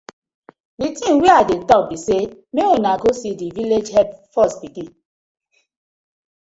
Di tin wey I dey tok bi say mek unu go see di villag head first pikin.